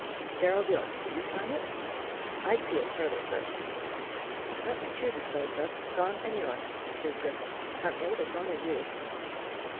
"Gerald Yorke, do you sign it?" "I'd see it further, first." "That's two disposed of, Gaunt and Yorke," pursued Griffin. "Huntley, there's only you."